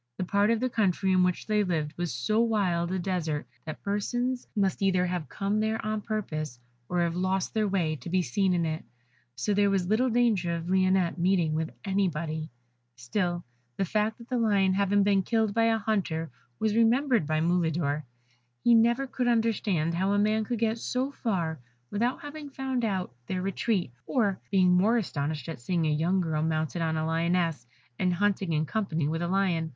The part of the country in which they lived was so wild a desert that persons must either have come there on purpose, or have lost their way, to be seen in it, so there was little danger of Lionette meeting with anybody. Still, the fact of the Lion having been killed by a hunter was remembered by Mulidor. He never could understand how a man could get so far without having found out their retreat, or being more astonished at seeing a young girl mounted on a Lioness, and hunting in company with a Lion.